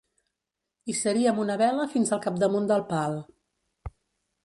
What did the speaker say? Hissaríem una vela fins al capdamunt del pal.